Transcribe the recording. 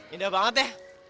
indah banget ya